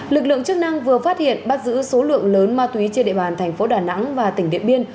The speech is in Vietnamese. lực lượng chức năng vừa phát hiện bắt giữ số lượng lớn ma túy trên địa bàn thành phố đà nẵng và tỉnh điện biên